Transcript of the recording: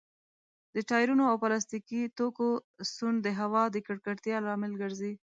د ټايرونو او پلاستيکي توکو سون د هوا د ککړتيا لامل ګرځي.